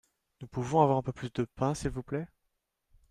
Nous pouvons avoir un peu plus de pain s'il vous plait ?